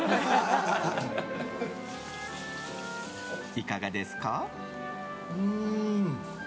いかがですか？